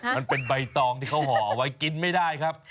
มันเป็นใบตองที่เขาห่อเอาไว้กินไม่ได้ครับ